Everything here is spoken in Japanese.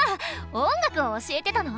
音楽を教えてたの？